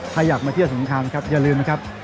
ใครอยากมาเที่ยวสมุทรทางนะครับอย่าลืมนะครับ